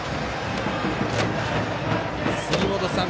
杉本さん